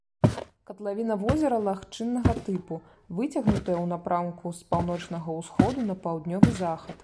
Катлавіна возера лагчыннага тыпу, выцягнутая ў напрамку з паўночнага ўсходу на паўднёвы захад.